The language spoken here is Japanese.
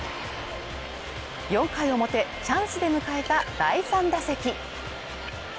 ４回の表チャンスで迎えた第３打席